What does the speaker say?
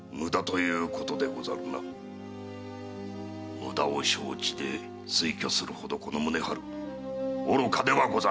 無駄を承知で推挙するほどこの宗春愚かではござらぬ。